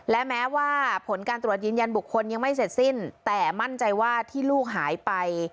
และแม้ว่าผลการตรวจยืนยันบุคคลยังไม่เสร็จสิ้นแต่มั่นใจว่าที่ลูกหายไป